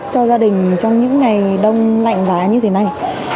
cho gia đình trong những ngày đông lạnh giá như thế này